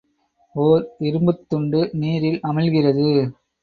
ஒர் இரும்புத் துண்டு நீரில் அமிழ்கிறது.